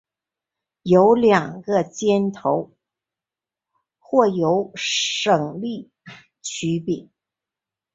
改进的耒有两个尖头或有省力曲柄。